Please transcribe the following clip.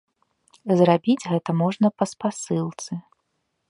Зрабіць гэта можна па спасылцы.